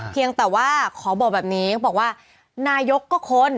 เพียงแต่ว่าขอบอกแบบนี้เขาบอกว่านายกก็คน